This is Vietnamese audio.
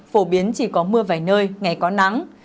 phổ biến chỉ có mưa vài nơi ngày có nắng